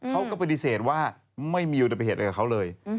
เขาก็ปฏิเสธว่าไม่มีอุบัติเหตุอะไรกับเขาเลย